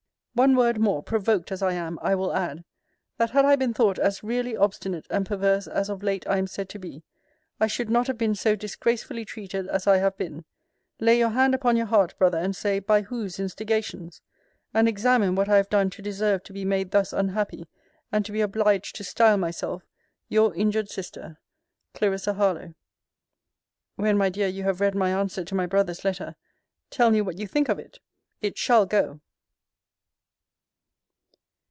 One word more, provoked as I am, I will add: That had I been thought as really obstinate and perverse as of late I am said to be, I should not have been so disgracefully treated as I have been Lay your hand upon your heart, Brother, and say, By whose instigations? And examine what I have done to deserve to be made thus unhappy, and to be obliged to style myself Your injured sister, CL. HARLOWE. When, my dear, you have read my answer to my brother's letter, tell me what you think of me? It shall go!